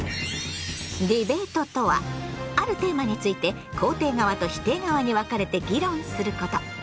ディベートとはあるテーマについて肯定側と否定側に分かれて議論すること。